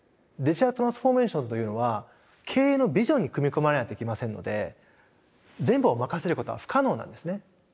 デジタルトランスフォーメーションというのは経営のビジョンに組み込まれないといけませんので全部を任せることは不可能なんですね。